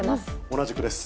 同じくです。